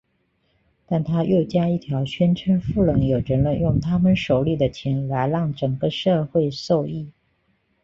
但他又加一条宣称富人有责任用他们手里的钱来让整个社会受益。